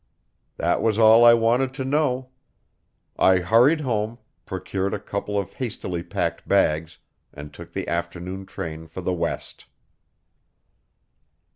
That was all I wanted to know. I hurried home, procured a couple of hastily packed bags, and took the afternoon train for the West.